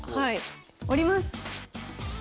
下ります。